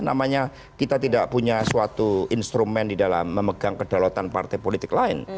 namanya kita tidak punya suatu instrumen di dalam memegang kedalatan partai politik lain